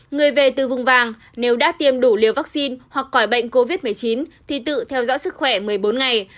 người về từ vùng vàng nếu đã tiêm đủ liều vaccine hoặc khỏi bệnh covid một mươi chín thì tự theo dõi sức khỏe một mươi bốn ngày